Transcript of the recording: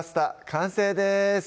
完成です